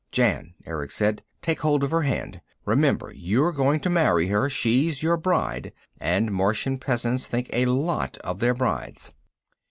"Jan," Erick said. "Take hold of her hand! Remember, you're going to marry her; she's your bride. And Martian peasants think a lot of their brides."